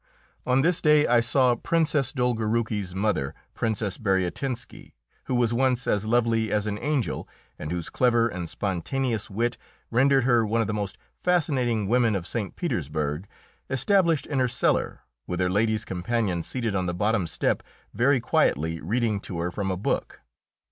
On this day I saw Princess Dolgoruki's mother, Princess Bariatinski, who was once as lovely as an angel, and whose clever and spontaneous wit rendered her one of the most fascinating women of St. Petersburg, established in her cellar, with her lady's companion seated on the bottom step, very quietly reading to her from a book.